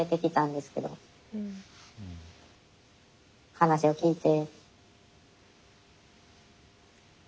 話を聞いて。